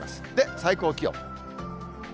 最高気温。